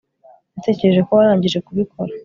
natekereje ko warangije kubikora